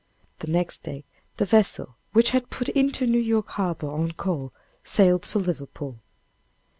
The next day the vessel which had put into New York Harbor on call, sailed for Liverpool.